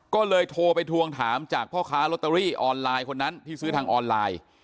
ก็เลยโทรไปทวงถามจากพ่อค้าลอตเตอรี่ออนไลน์คนนั้นที่ซื้อทางออนไลน์